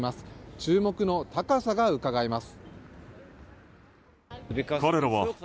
注目の高さがうかがえます。